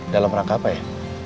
dalam rangka apa ya